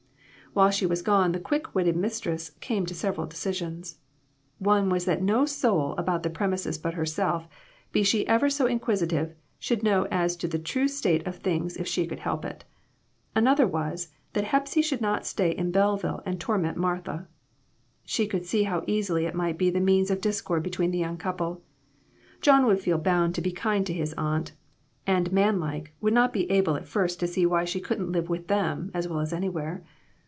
While she was gone the quick witted mistress came to several decisions. One was that no soul about the premises but herself, be she ever so inquisitive, should know as to the true state of things if she could help it. Another was, that Hepsy should not stay in Belleville and torment Martha. She could see how easily it might be the means of discord between the young couple. John would feel bound to be kind to his aunt, and manlike, would not be able at first to see why she couldn't live with them as well as anywhere.